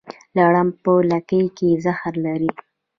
لړم په لکۍ کې زهر لري